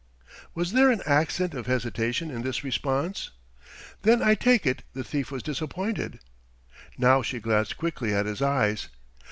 Was there an accent of hesitation in this response? "Then, I take it, the thief was disappointed." Now she glanced quickly at his eyes.